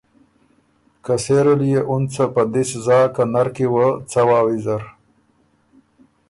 که سېره ليې اُن څه په دِس زا که نر کی وه څوا ویزر۔